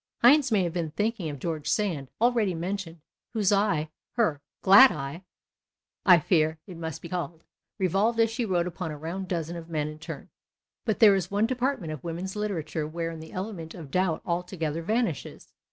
Heine may have been thinking of George Sand, already mentioned, whose eye — her " glad eye," I fear it must be called — revolved as she wrote upon a round dozen of men in turn. But there is one department of women's literature wherein the element of doubt altogether vanishes.